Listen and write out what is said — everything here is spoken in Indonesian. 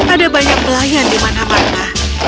ada banyak pelayan di mana mana